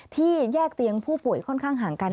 ที่แยกเตียงผู้ป่วยค่อนข้างห่างกัน